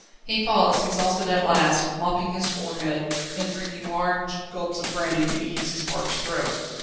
He paused, exhausted at last, mopping his forehead, then drinking large gulps of brandy to ease his parched throat.